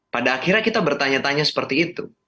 pada akhirnya kita bertanya tanya seperti itu